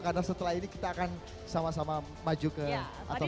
karena setelah ini kita akan sama sama maju ke atas panggung